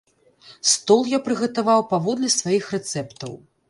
Стол я прыгатаваў паводле сваіх рэцэптаў.